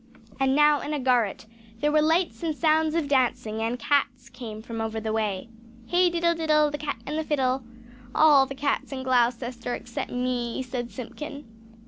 And now in a garret there were lights and sounds of dancing, and cats came from over the way. "Hey, diddle, diddle, the cat and the fiddle! All the cats in Gloucester except me," said Simpkin.